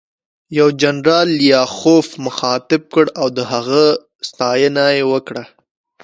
یو جنرال لیاخوف مخاطب کړ او د هغه ستاینه یې وکړه